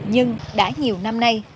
nhưng đã nhiều năm nay